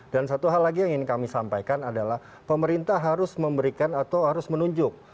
dan satu hal lagi yang ingin kami sampaikan adalah pemerintah harus memberikan atau harus menunjuk